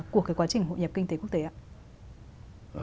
của cái quá trình hội nhập kinh tế quốc tế ạ